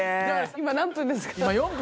今何分ですか？